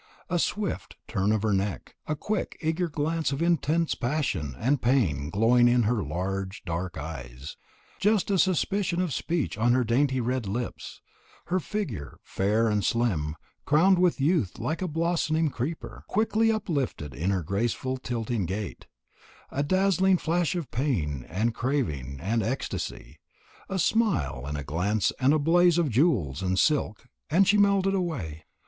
A swift turn of her neck, a quick eager glance of intense passion and pain glowing in her large dark eyes, just a suspicion of speech on her dainty red lips, her figure, fair and slim crowned with youth like a blossoming creeper, quickly uplifted in her graceful tilting gait, a dazzling flash of pain and craving and ecstasy, a smile and a glance and a blaze of jewels and silk, and she melted away.